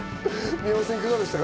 宮本さん、いかがでしたか？